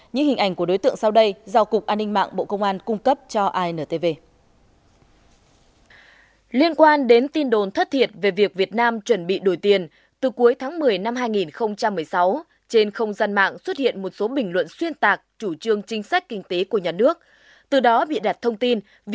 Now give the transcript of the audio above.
những hình ảnh của đối tượng sau đây do cục an ninh mạng bộ công an cung cấp cho intv